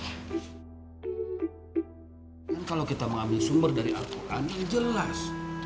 kan kalau kita mau ambil sumber dari al quran jelas